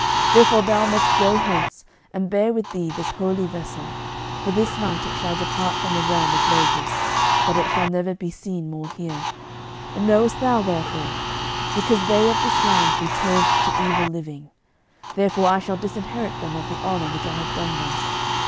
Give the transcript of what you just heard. Therefore thou must go hence, and bear with thee this holy vessel, for this night it shall depart from the realm of Logris, that it shall never be seen more here. And knowest thou wherefore? Because they of this land be turned to evil living; therefore I shall disinherit them of the honour which I have done them.